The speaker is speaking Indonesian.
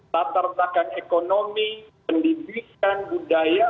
latar belakang ekonomi pendidikan budaya